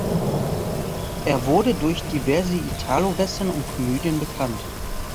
Er wurde durch diverse Italo-Western und Komödien bekannt.